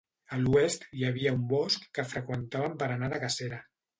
A l'oest hi havia un bosc que freqüentaven per anar de cacera.